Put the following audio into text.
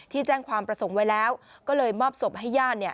ที่แจ้งความประสงค์ไว้แล้วก็เลยมอบศพให้ย่าน